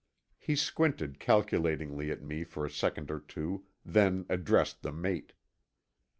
He squinted calculatingly at me for a second or two, then addressed the mate.